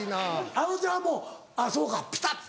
あのちゃんはもうあぁそうかピタっ。